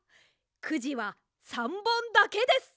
くじは３ぼんだけです。